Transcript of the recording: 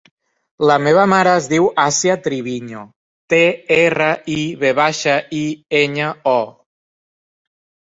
La meva mare es diu Assia Triviño: te, erra, i, ve baixa, i, enya, o.